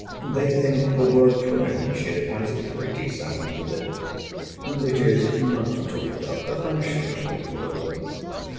they think the word friendship has a pretty sound with it; and it is much talked of—a fashionable word.